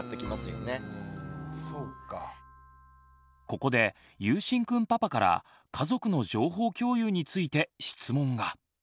ここでゆうしんくんパパから「家族の情報共有」について質問が。